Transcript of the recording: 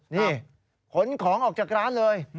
นี่ขนของออกจากร้านเลย